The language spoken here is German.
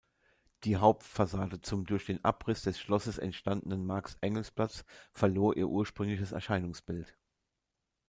Die Hauptfassade zum durch den Abriss des Schlosses entstandenen Marx-Engels-Platz verlor ihr ursprüngliches Erscheinungsbild.